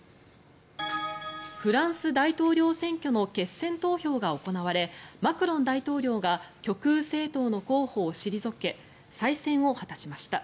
フランス大統領選挙の決選投票が行われマクロン大統領が極右政党の候補を退け再選を果たしました。